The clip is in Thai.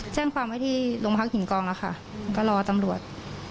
แจ้งความไว้ที่โรงพักหินกองแล้วค่ะก็รอตำรวจ